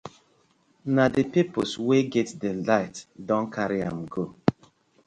Na di pipus wey get di light don karry am go.